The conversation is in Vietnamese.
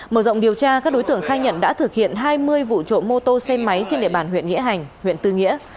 mở rộng điều tra các đối tượng khai nhận đã thực hiện hai mươi vụ trộm mô tô xe máy trên địa bàn huyện nghĩa hành huyện tư nghĩa